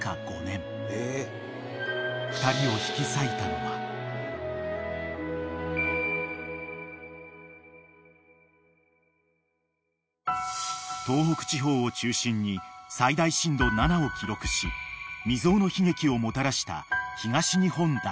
［しかし］［東北地方を中心に最大震度７を記録し未曽有の悲劇をもたらした東日本大震災］